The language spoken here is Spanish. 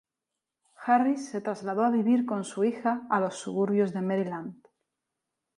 Harris se trasladó a vivir con su hija a los suburbios de Maryland.